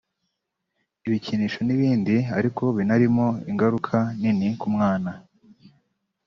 ibikinisho n’ibindi ariko binarimo ingaruka nini ku mwana